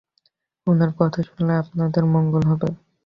ওনার কথা শুনলে আপনাদের মঙ্গল হবে।